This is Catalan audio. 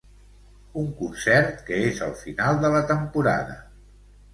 Un concert que és el final de la temporada.